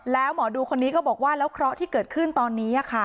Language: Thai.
แล้วหมอดูคนนี้ก็บอกว่าแล้วเคราะห์ที่เกิดขึ้นตอนนี้